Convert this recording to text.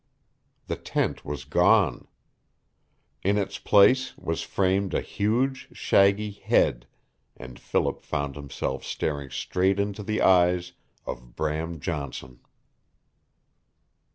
The tent was gone. In its place was framed a huge shaggy head, and Philip found himself staring straight into the eyes of Bram Johnson.